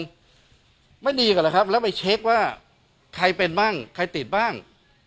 ก็จะไม่ดีกันแล้วไปเช็กว่าใครเป็นบ้างใครติดบ้าง